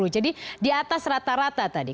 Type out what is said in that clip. jadi di atas rata rata tadi